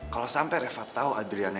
kalau sampe reva tau adriana